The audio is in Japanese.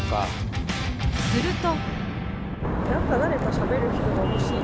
すると。